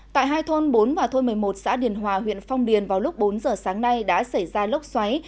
tại hai thôn bốn và thôn một mươi một xã điền hòa huyện phong điền vào lúc bốn giờ sáng nay đã xảy ra lốc xoáy